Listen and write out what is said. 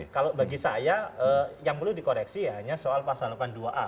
kalau bagi saya yang perlu dikoreksi hanya soal pasal delapan puluh dua a